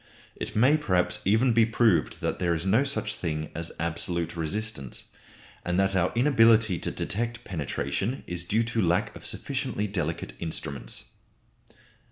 It may perhaps even be proved that there is no such thing as absolute resistance, and that our inability to detect penetration is due to lack of sufficiently delicate instruments.